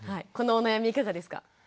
このお悩みいかがですか？